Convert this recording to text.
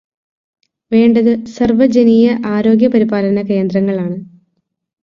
വേണ്ടത് സാർവജനീയ ആരോഗ്യപരിപാലന കേന്ദ്രങ്ങളാണ്.